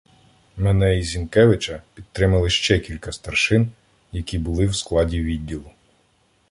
Мене і Зінкевича підтримали ще кілька старшин, які були в складі відділу.